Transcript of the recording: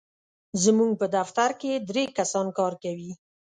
زموږ په دفتر کې درې کسان کار کوي.